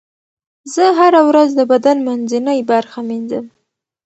زه هره ورځ د بدن منځنۍ برخه مینځم.